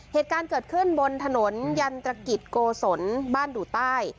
เหตุการณ์เกิดขึ้นบนถนนยันตรกิจโกศลบ้านดูใต้